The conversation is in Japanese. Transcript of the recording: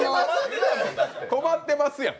止まってますやん。